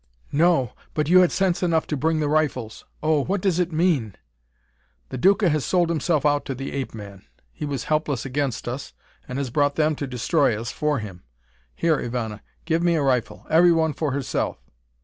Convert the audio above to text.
"No. But you had sense enough to bring the rifles! Oh, what does it mean?" "The Duca has sold himself out to the ape man! He was helpless against us, and has brought them to destroy us for him. Here, Ivana, give me a rifle! Everyone for herself!"